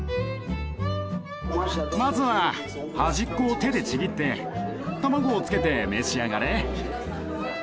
まずは端っこを手でちぎって卵をつけて召し上がれ。